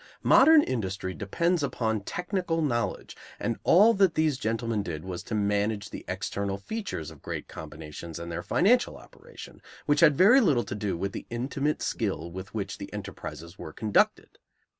Modern industry depends upon technical knowledge; and all that these gentlemen did was to manage the external features of great combinations and their financial operation, which had very little to do with the intimate skill with which the enterprises were conducted.